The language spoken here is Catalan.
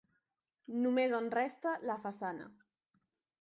Només en resta la façana.